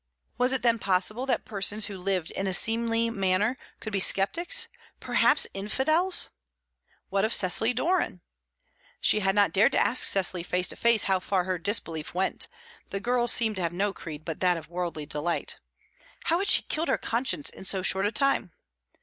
Was it, then, possible that persons who lived in a seemly manner could be sceptics, perhaps "infidels"? What of Cecily Doran? She had not dared to ask Cecily face to face how far her disbelief went; the girl seemed to have no creed but that of worldly delight. How had she killed her conscience in so short a time?